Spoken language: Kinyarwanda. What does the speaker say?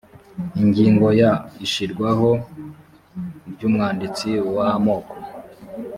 ingingo ya ishyirwaho ry umwanditsi w amoko